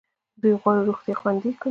دوی غواړي روغتیا خوندي کړي.